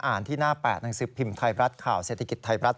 ที่หน้า๘หนังสือพิมพ์ไทยรัฐข่าวเศรษฐกิจไทยรัฐ